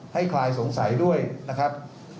คลายสงสัยด้วยนะครับ